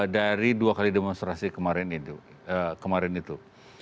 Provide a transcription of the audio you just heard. dari dua kali demonstrasi kemarin itu